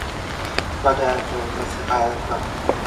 ‘What do I want with yours?’ I retorted.